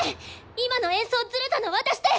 今の演奏ズレたの私です！